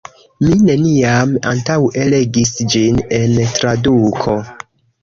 Mi neniam antaŭe legis ĝin en traduko.